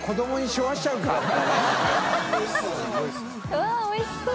うわっおいしそう！